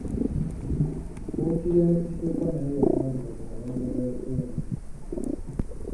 Kkooti ya Kisekwa nayo yatandikira ku mulembe gwa Ssuuna.